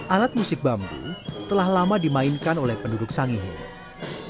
alat musik bambu telah lama dimainkan oleh penduduk sangihe